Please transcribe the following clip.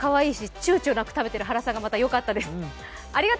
ちゅうちょなく食べてる原さんがよかったです。